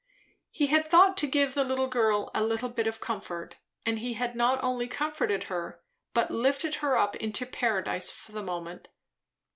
He had thought to give the girl a little bit of comfort; and he had not only comforted her, but lifted her up into paradise, for the moment.